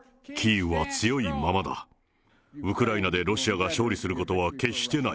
ウクライナでロシアが勝利することは決してない。